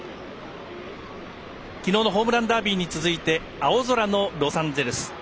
きのうのホームランダービーに続いて青空のロサンゼルス。